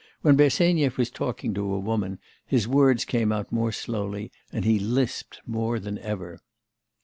When Bersenyev was talking to a woman, his words came out more slowly, and he lisped more than ever.